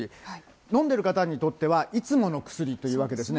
飲んでる方にとってはいつもの薬というわけですね。